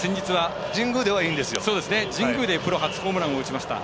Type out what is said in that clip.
神宮でプロ初ホームランを打ちました。